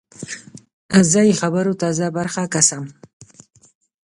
زه د خبرونو تازه برخه ګورم.